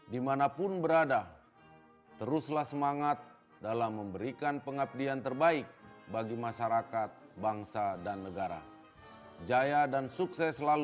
dinamika perubahan kehidupan pun menjadi tantangan para personel